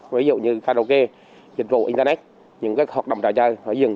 ví dụ như karaoke dịch vụ internet những hoạt động trò chơi phải dừng